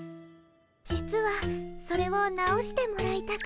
実はそれを直してもらいたくて。